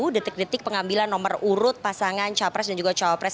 detik detik pengambilan nomor urut pasangan capres dan juga cawapres